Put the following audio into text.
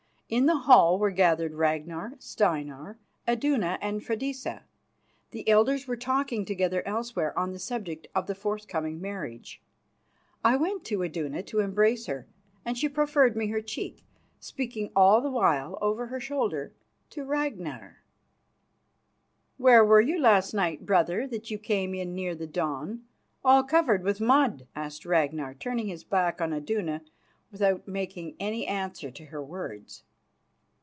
In the hall were gathered Ragnar, Steinar, Iduna and Freydisa; the elders were talking together elsewhere on the subject of the forthcoming marriage. I went to Iduna to embrace her, and she proffered me her cheek, speaking all the while over her shoulder to Ragnar. "Where were you last night, brother, that you came in near the dawn, all covered with mud?" asked Ragnar, turning his back on Iduna, without making any answer to her words.